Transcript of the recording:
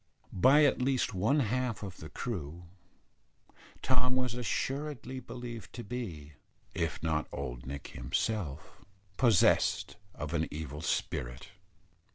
By at least one half of the crew, Tom was assuredly believed to be if not old Nick himself possessed of an evil spirit.